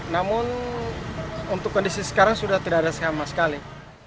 namun untuk kondisi sekarang sudah tidak ada sama sekali